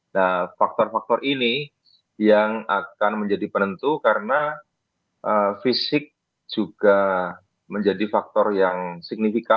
nah faktor faktor ini yang akan menjadi penentu karena fisik juga menjadi faktor yang signifikan